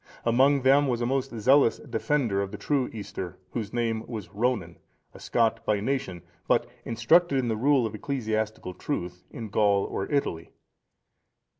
Among them was a most zealous defender of the true Easter, whose name was Ronan,(457) a Scot by nation, but instructed in the rule of ecclesiastical truth in Gaul or Italy.